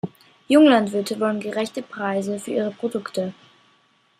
Junglandwirte wollen gerechte Preise für ihre Produkte.